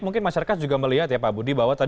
mungkin masyarakat juga melihat ya pak budi